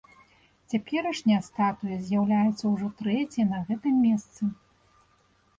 Цяперашняя статуя з'яўляецца ўжо трэцяй на гэтым месцы.